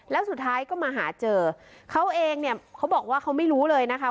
แล้วสุดท้ายก็มาหาเจอเขาเองเนี่ยเขาบอกว่าเขาไม่รู้เลยนะคะ